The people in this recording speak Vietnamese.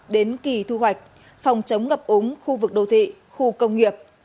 đến kỳ thu hoạch phòng chống ngập úng khu vực đô thị khu công nghiệp